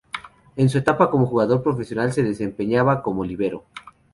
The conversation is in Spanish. En su etapa como jugador profesional se desempeñaba como líbero.